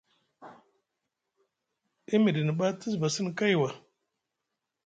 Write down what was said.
E miɗini ɓa te zuva sini kay wa.